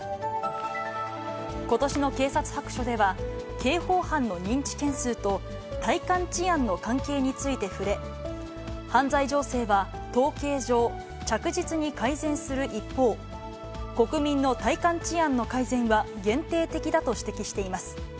ことしの警察白書では、刑法犯の認知件数と、体感治安の関係について触れ、犯罪情勢は統計上、着実に改善する一方、国民の体感治安の改善は限定的だと指摘しています。